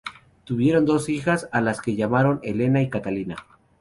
Tuvieron dos hijas, a las que llamaron Helena y Catalina.